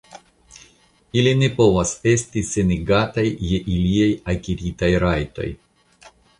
Ili ne povas esti senigataj je iliaj akiritaj rajtoj.